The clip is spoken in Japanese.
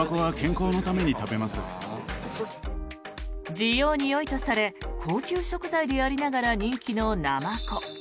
滋養によいとされ高級食材でありながら人気のナマコ。